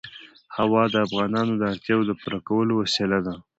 هوا د افغانانو د اړتیاوو د پوره کولو وسیله ده.